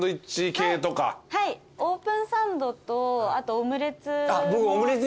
オープンサンドとあとオムレツも。